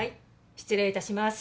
失礼いたします。